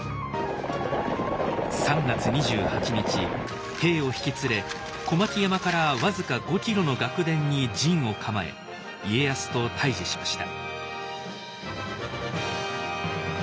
３月２８日兵を引き連れ小牧山から僅か５キロの楽田に陣を構え家康と対じしました。